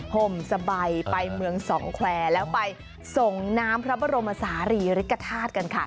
ห่มสบายไปเมืองสองแควร์แล้วไปส่งน้ำพระบรมศาลีริกฐาตุกันค่ะ